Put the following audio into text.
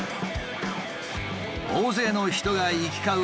大勢の人が行き交う